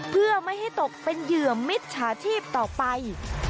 เพื่อไม่ให้ตกเป็นเหยื่อมิจฉาชีพต่อไป